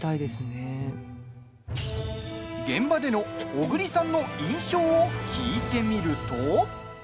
現場での小栗さんの印象を聞いてみると。